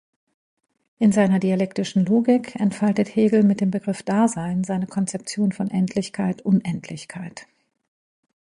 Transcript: In seiner dialektischen Logik entfaltet Hegel mit dem Begriff Dasein seine Konzeption von Endlichkeit-Unendlichkeit.